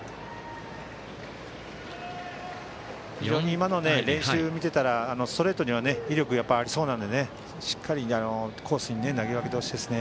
今の練習を見ていたらストレートには威力がありそうなのでしっかりコースに投げ分けてほしいですね。